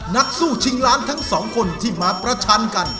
นักสู้ชิงล้านทั้งสองคนที่มาประชันกัน